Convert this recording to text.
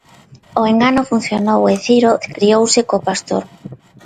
O engano funcionou e Ciro criouse co pastor.